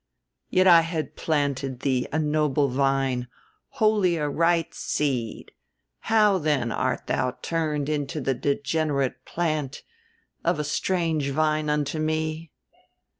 "'Yet I had planted thee a noble vine, wholly a right seed: how then art thou turned into the degenerate plant of a strange vine unto me?